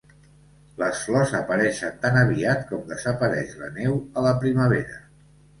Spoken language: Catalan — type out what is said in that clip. Les flors apareixen tan aviat com desapareix la neu a la primavera.